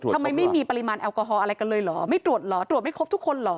ทำไมไม่มีปริมาณแอลกอฮอล์อะไรกันเลยเหรอไม่ตรวจเหรอตรวจไม่ครบทุกคนเหรอ